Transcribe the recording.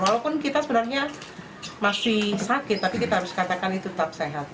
walaupun kita sebenarnya masih sakit tapi kita harus katakan itu tetap sehat